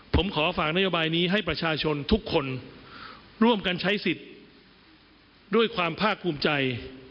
ผมขอฝากนโยบายนี้ให้ประชาชนทุกคนร่วมกันใช้สิทธิ์ด้วยความภาคภูมิใจ